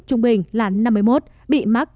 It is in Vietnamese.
trung bình là năm mươi một bị mắc